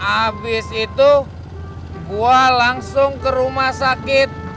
abis itu gua langsung ke rumah sakit